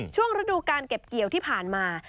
ฤดูการเก็บเกี่ยวที่ผ่านมา